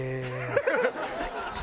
ハハハハ！